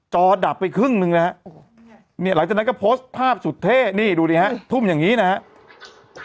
จอดับไปครึ่งหนึ่งนะฮะเนี่ยหลังจากนั้นก็โพสต์ภาพสุดเท่นี่ดูดิฮะทุ่มอย่างนี้นะครับ